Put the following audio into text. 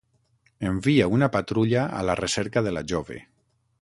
Envia una patrulla a la recerca de la jove.